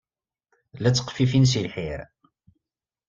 La tteqfifin seg lḥir.